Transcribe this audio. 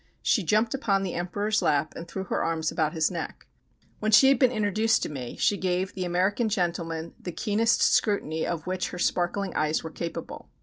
She jumped upon the Emperor's lap and threw her arms about his neck. When she had been introduced to me she gave "The American gentleman" the keenest scrutiny of which her sparkling eyes were capable.